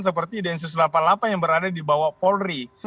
seperti densus delapan puluh delapan yang berada di bawah polri